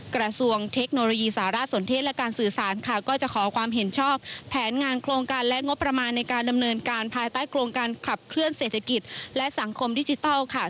กระทรวงเทคโนโลยีสารสนเทศและการสื่อสารค่ะก็จะขอความเห็นชอบแผนงานโครงการและงบประมาณในการดำเนินการภายใต้โครงการขับเคลื่อนเศรษฐกิจและสังคมดิจิทัลค่ะ